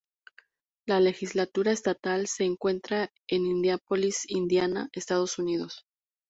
La legislatura estatal se encuentra en Indianápolis, Indiana, Estados Unidos.